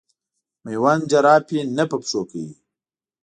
مېوند جراپي نه په پښو کوي.